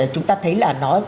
chúng ta thấy là nó